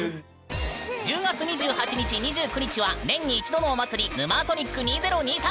１０月２８日２９日は年に一度のお祭り「ヌマーソニック２０２３」！